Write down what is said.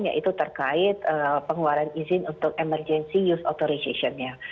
yaitu terkait pengeluaran izin untuk emergency use authorization nya